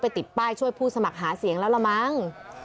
ติดป้ายช่วยผู้สมัครหาเสียงแล้วละมั้ง